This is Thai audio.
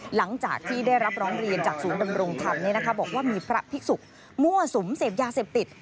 หลังจากที่ได้รับร้องเรียนจากศูนย์ดำรงธรรมบอกว่ามีพระภิกษุมั่วสุมเสพยาเสพติด